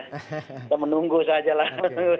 kita menunggu saja lah